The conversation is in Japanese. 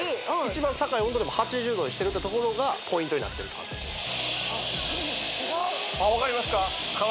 一番高い温度でも８０℃にしてるってところがポイントになってるとああ分かりますか？